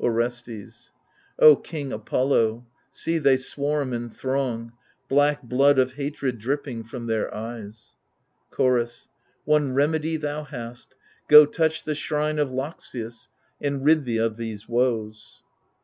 Orestes O king Apollo — see, they swarm and throng — Black blood of hatred dripping from their eyes 1 Chorus One remedy thou hast ; go, touch the shrine Of Loxias, and rid thee of these woes.